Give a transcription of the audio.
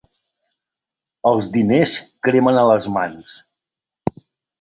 Els diners cremen a les mans.